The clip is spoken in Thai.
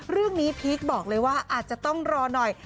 พีคบอกเลยว่าอาจจะต้องรอหน่อย